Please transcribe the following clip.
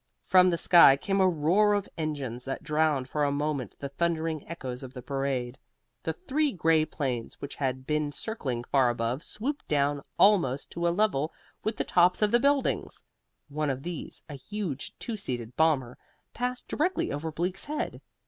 From the sky came a roar of engines that drowned for a moment the thundering echoes of the parade. The three gray planes, which had been circling far above, swooped down almost to a level with the tops of the buildings. One of these, a huge two seated bomber, passed directly over Bleak's head.